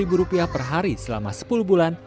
dan mencicil rp dua per hari selama sepuluh bulan